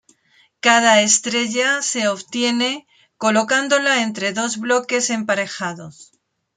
Cada estrella se obtiene colocándola entre dos bloques emparejados.